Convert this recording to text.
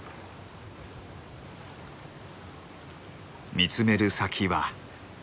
見つめる先は。